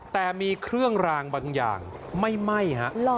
แต่มีเครื่องรางบางอย่างไม่ไหม้ฮะ